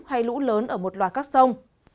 hay lũ lớn ở một loạt các sông